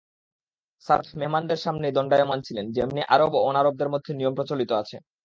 সারাহ্ মেহমানদের সামনেই দণ্ডায়মান ছিলেন— যেমনি আরব ও অনারবদের মধ্যে নিয়ম প্রচলিত আছে।